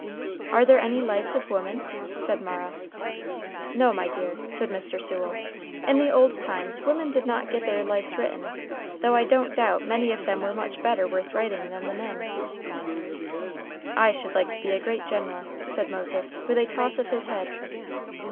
"Are there any lives of women?" said Mara. "No, my dear," said Mr. Sewell; "in the old times, women did not get their lives written, though I don't doubt many of them were much better worth writing than the men's." "I should like to be a great general," said Moses, with a toss of his head.